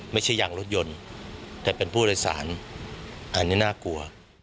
ไม่ใช่ยางรถยนต์แต่เป็นผู้โดยสารอันนี้น่ากลัว